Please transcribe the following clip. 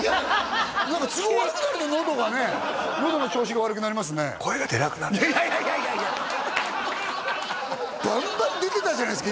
何か都合悪くなるとのどがねのどの調子が悪くなりますねいやいやいやバンバン出てたじゃないですか